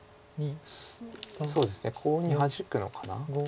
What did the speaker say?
そうですねコウにハジくのかな？